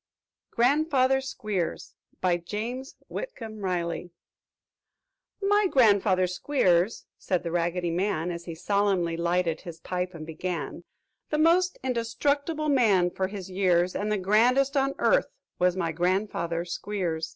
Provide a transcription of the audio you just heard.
GRANDFATHER SQUEERS BY JAMES WHITCOMB RILEY "My grandfather Squeers," said the Raggedy Man, As he solemnly lighted his pipe and began "The most indestructible man, for his years, And the grandest on earth, was my grandfather Squeers!